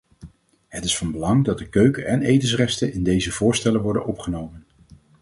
Het is van belang dat keuken- en etensresten in deze voorstellen worden opgenomen.